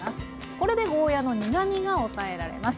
これでゴーヤーの苦みが抑えられます。